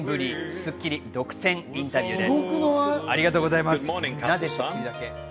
『スッキリ』独占インタビューです。